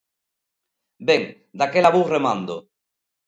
–Ben, daquela vou remando.